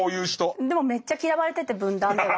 でもめっちゃ嫌われてて文壇では。